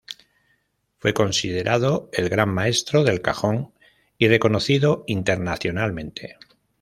Fue considerado el gran maestro del cajón y reconocido internacionalmente.